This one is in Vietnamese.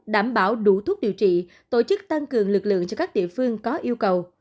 đảm bảo đủ thuốc điều trị tổ chức tăng cường lực lượng cho các địa phương có yêu cầu